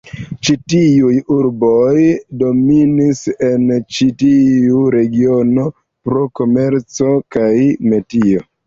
Ĉi tiuj urboj dominis en ĉi tiu regiono pro komerco kaj metio.